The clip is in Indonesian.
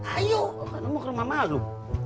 ayo gue mau ke rumah mak lu